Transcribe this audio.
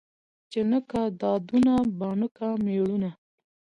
ـ چې نه کا دادونه بانه کا مېړونه.